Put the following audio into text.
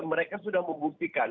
mereka sudah membuktikan